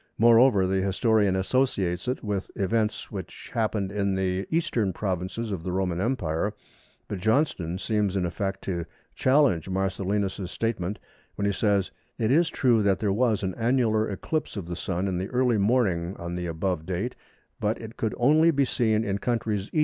Moreover, the historian associates it with events which happened in the eastern provinces of the Roman Empire; but Johnston seems in effect to challenge Marcellinus's statement when he says, "It is true that there was an annular eclipse of the Sun in the early morning on the above date, but it could only be seen in countries E.